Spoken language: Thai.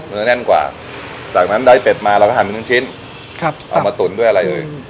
เนื้อแน่นกว่าจากนั้นได้เป็ดมาเราก็ทำเป็นหนึ่งชิ้นครับเอามาตุ๋นด้วยอะไรเอ่ย